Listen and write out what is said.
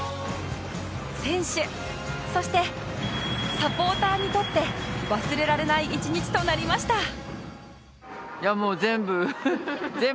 選手そしてサポーターにとって忘れられない１日となりました